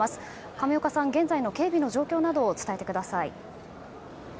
亀岡さん、現在の警備の状況など伝えてください。